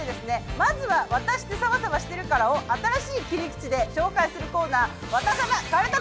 まずは「ワタシってサバサバしてるから」を新しい切り口で紹介するコーナー「ワタサバかるた大会」！